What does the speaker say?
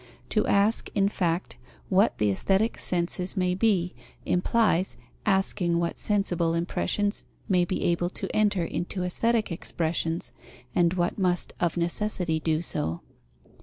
To ask, in fact, what the aesthetic senses may be, implies asking what sensible impressions may be able to enter into aesthetic expressions, and what must of necessity do so.